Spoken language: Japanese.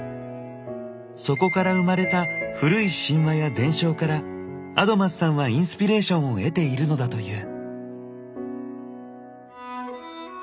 そこから生まれた古い神話や伝承からアドマスさんはインスピレーションを得ているのだという。